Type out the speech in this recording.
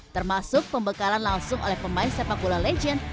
termasuk pembekalan langsung oleh pemain sepak bola legend